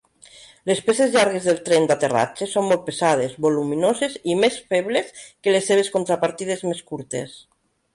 Les peces llargues del tren d'aterratge són molt pesades, voluminoses i més febles que les seves contrapartides més curtes.